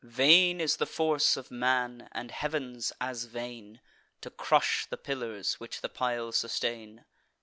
Vain is the force of man, and Heav'n's as vain, To crush the pillars which the pile sustain.